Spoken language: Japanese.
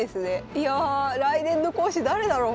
いや来年の講師誰だろう？